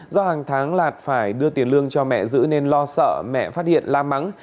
do hàng tháng lạt phải đưa tiền lương cho mẹ giữ nên lo sợ mẹ phát hiện la mắng